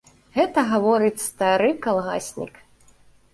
Гэта гаворыць стары калгаснік.